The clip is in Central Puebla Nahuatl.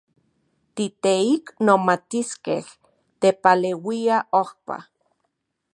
Titeiknomatiskej tepaleuia ojpa.